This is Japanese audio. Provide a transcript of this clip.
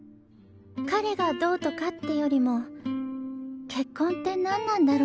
彼がどうとかってよりも結婚って何なんだろうなって。